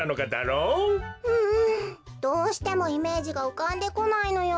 うんどうしてもイメージがうかんでこないのよ。